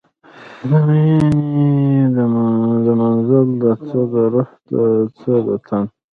د میینې د منزل ده، څه د روح ده څه د تن